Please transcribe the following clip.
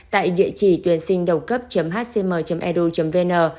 tại địa chỉ tuyển sinh đầu cấp hcm edu vn